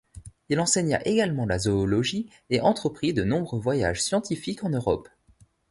Il enseigna également la zoologie et entreprit de nombreux voyages scientifiques en Europe.